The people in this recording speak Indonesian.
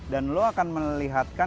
dan lo akan melihatkan